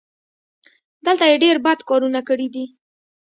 دلته یې ډېر بد کارونه کړي دي.